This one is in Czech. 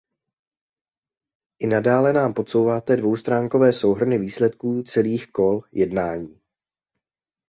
I nadále nám podsouváte dvoustránkové souhrny výsledků celých kol jednání.